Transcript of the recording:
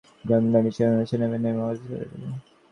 গ্রামীণ ব্যাংকের চেয়ারম্যান বেছে নেবেন এই মহাব্যবস্থাপকদের।